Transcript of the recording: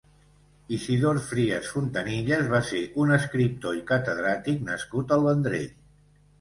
Isidor Frias Fontanilles va ser un escriptor i catedràtic nascut al Vendrell.